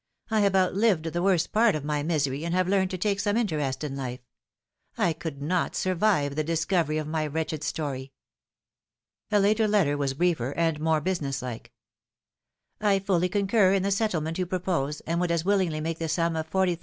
1 have outlived the worst part of my misery, and have learnt to take some interest in life. I could not survive the discovery of my wretched story." A later letter was briefer and more business like. '' I fully concur in the settlement you propose, and would as willingly make the sum 40,OOOZ.